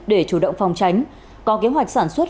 để chủ động phòng tránh có kế hoạch sản xuất